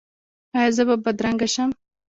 ایا زه به بدرنګه شم؟